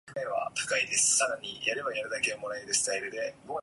They always found the fire still burning and the usual quantity of fuel consumed.